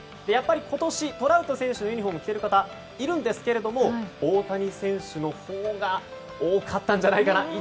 やっぱり今年トラウト選手のユニホームを着ている方もいるんですが大谷選手のほうが多かったんじゃないかな。